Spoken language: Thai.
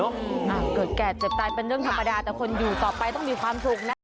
เกิดแก่เจ็บตายเป็นเรื่องธรรมดาแต่คนอยู่ต่อไปต้องมีความสุขนะ